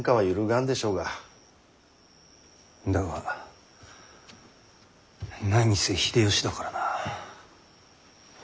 だが何せ秀吉だからな。